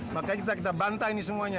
makanya kita bantah ini semuanya